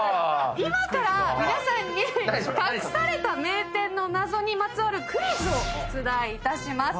今から皆さんに隠された名店の謎にまつわるクイズを出題いたします。